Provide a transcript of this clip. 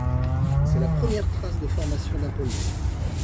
C'est la première trace de formation d'un polder.